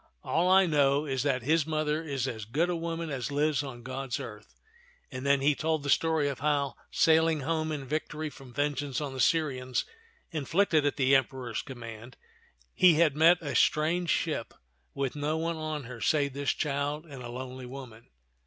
"All I know is that his mother is as good a woman as lives on God's earth "; and then he told the story of how, sailing home in victory from vengeance on the Syrians, inflicted at the Emperor's command, he had met a strange ship with no one on her save this child and a lonely woman.